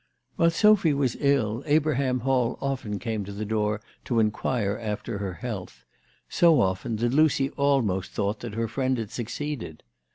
While Sophy was ill Abraham Hall often came to the door to inquire after her health ; so often that Lucy almost thought that her friend had succeeded.